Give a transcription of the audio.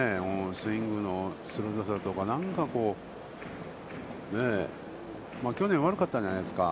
スイングの鋭さとか、なんか去年悪かったじゃないですか。